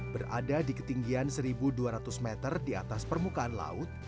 berada di ketinggian satu dua ratus meter di atas permukaan laut